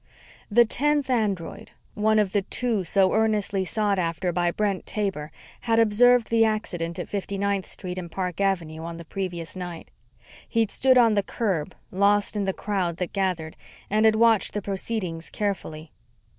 The tenth android, one of the two so earnestly sought after by Brent Taber, had observed the accident at 59th Street and Park Avenue on the previous night. He'd stood on the curb, lost in the crowd that gathered, and had watched the proceedings carefully.